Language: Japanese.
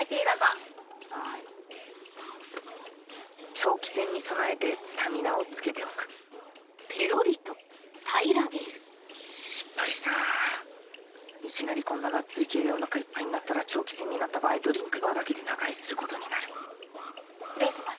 長期戦に備えてスタミナをつけておく失敗したいきなりこんながっつり系でお腹いっぱいになったら長期戦になった場合ドリンクバーだけで長居することになる失礼します